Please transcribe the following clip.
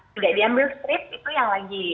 tidak diambil strip itu yang lagi